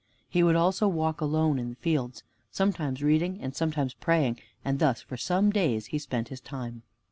He would also walk alone in the fields, sometimes reading and sometimes praying, and thus for some days he spent his time.